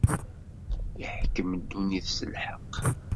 Iḥkem ddunit s lḥeqq.